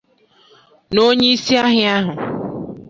na onyeisi ahịa ahụ